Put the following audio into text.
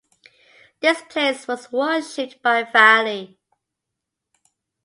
This place was worshipped by Vali.